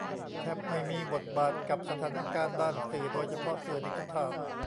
แทบไม่มีทบบาท กับสถานการณ์ด้านสื่อโดยเฉพาะสื่อดิจิทัล